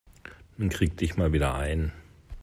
Nun krieg dich mal wieder ein.